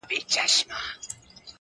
o اوس له كندهاره روانـېـــږمه؛